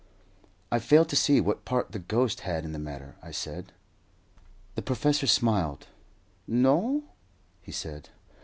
"I fail to see what part the ghost had in the matter," I said. The professor smiled. "No?" he said.